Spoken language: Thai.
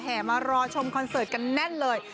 มารอชมคอนเสิร์ตกันแน่นเลย